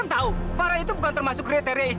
nhasil dan selama dijadikan